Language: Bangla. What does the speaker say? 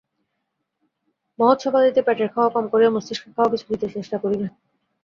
মহোৎসবাদিতে পেটের খাওয়া কম করিয়া মস্তিষ্কের খাওয়া কিছু দিতে চেষ্টা করিবে।